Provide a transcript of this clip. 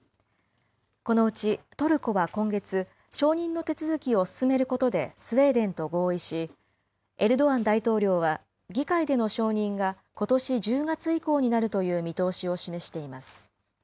このうちトルコは今月、承認の手続きを進めることでスウェーデンと合意し、エルドアン大統領は議会での承認がことし１０月以降になるという見通しを示しています。